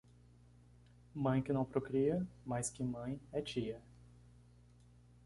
Mãe que não procria, mais que mãe é tia.